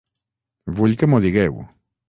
Vull que m'ho digueu.